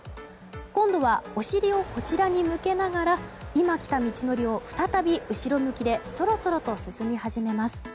今度はお尻をこちらに向けながら今来た道のりを再び後ろ向きでそろそろと進み始めます。